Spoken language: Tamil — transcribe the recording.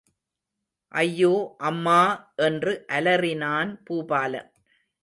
ஐயோ, அம்மா! என்று அலறினான் பூபாலன்.